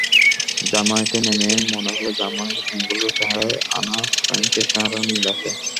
জার্মানিতে নেমে মনে হলো জার্মানির মেয়েগুলোর চেহারায় আনা ফ্রাঙ্কের চেহারার মিল আছে।